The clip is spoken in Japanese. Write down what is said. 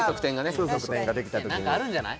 そう特典ができた時に何かあるんじゃない？